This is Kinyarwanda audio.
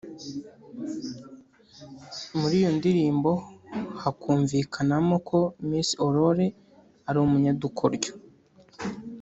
muri iyo ndirimbo hakumvikanamo ko Miss Aurore ari umunyadukoryo